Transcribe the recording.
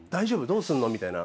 どうすんの？」みたいな。